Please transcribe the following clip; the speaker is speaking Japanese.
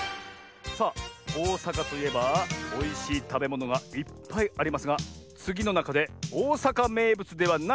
さあおおさかといえばおいしいたべものがいっぱいありますがつぎのなかでおおさかめいぶつではないのはどれ？